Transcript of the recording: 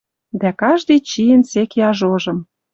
Дӓ каждый чиэн сек яжожым